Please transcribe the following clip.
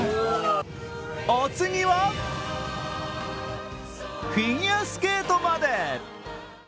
お次は、フィギュアスケートまで。